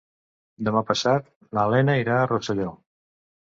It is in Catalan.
Demà passat na Lena irà a Rosselló.